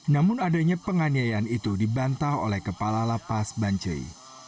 namun adanya penganiayaan itu dibantah oleh kepala lapas bancai